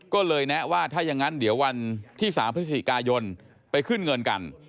ก็เลยแนะว่าถ้าอย่างนั้นเดี๋ยววันที่๓พฤศจิกายนไปขึ้นเงินกัน